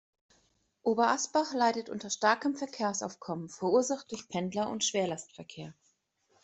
Oberasbach leidet unter starkem Verkehrsaufkommen, verursacht durch Pendler und Schwerlastverkehr.